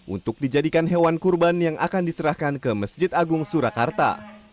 untuk dijadikan hewan kurban yang akan diserahkan ke masjid agung surakarta